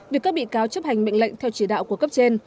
việc các bị cáo chấp hành mệnh lệnh theo chỉ đạo của cấp trên